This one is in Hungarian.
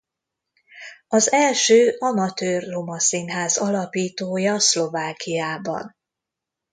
Az első amatőr roma színház alapítója Szlovákiában.